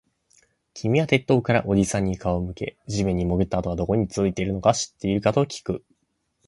君は鉄塔からおじさんに顔を向け、地面に潜ったあとはどこに続いているのか知っているかときく